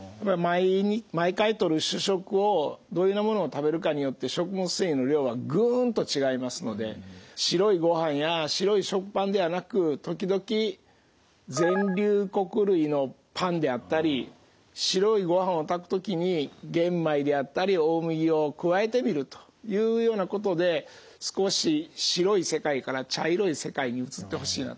毎回とる主食をどういうようなものを食べるかによって食物繊維の量はグンと違いますので白いごはんや白い食パンではなく時々全粒穀類のパンであったり白いごはんを炊く時に玄米であったり大麦を加えてみるというようなことで少し白い世界から茶色い世界に移ってほしいなと。